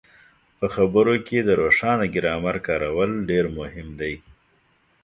په خبرو کې د روښانه ګرامر کارول ډېر مهم دي.